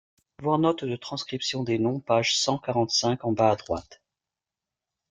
Voir note de transcription des noms page cent quarante-cinq en bas à droite.